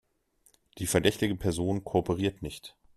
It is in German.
Die verdächtige Person kooperiert nicht.